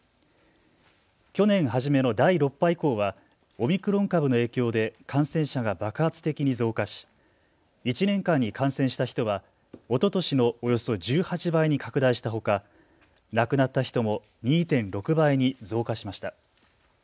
去年初めの第６波以降はオミクロン株の影響で感染者が爆発的に増加し１年間に感染した人はおととしのおよそ１８倍に拡大したほか、亡くなった人も２．６倍に増加しました。